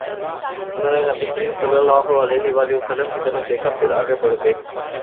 انھوں نے نبی صلی اللہ علیہ وسلم کی طرف دیکھا، پھر آگے بڑھ گئے